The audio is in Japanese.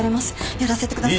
やらせてください。